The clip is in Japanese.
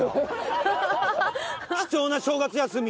貴重な正月休み。